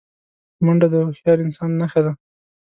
منډه د هوښیار انسان نښه ده